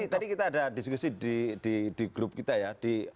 tadi kita ada diskusi di grup kita ya